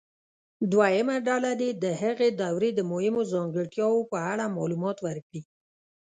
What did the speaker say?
دویمه ډله دې د هغې دورې د مهمو ځانګړتیاوو په اړه معلومات ورکړي.